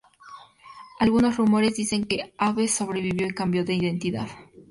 Algunos rumores dicen que Abbes sobrevivió y cambió de identidad.